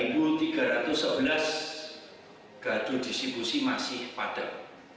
tiga tiga ratus sebelas gadu disipusi masih padat